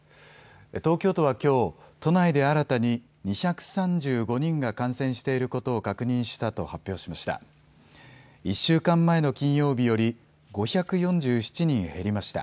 東京都はきょう、都内で新たに２３５人が感染していることを確認したと発表しました。